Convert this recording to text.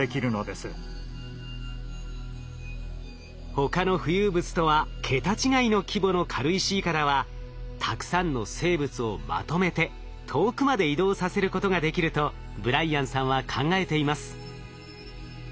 他の浮遊物とは桁違いの規模の軽石いかだはたくさんの生物をまとめて遠くまで移動させることができるとブライアンさんは考えています。